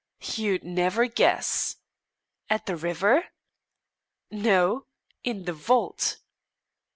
"You'd never guess." "At the river?" "No; in the vault."